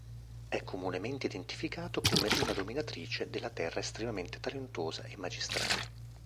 È comunemente identificato come una dominatrice della terra estremamente talentuosa e magistrale.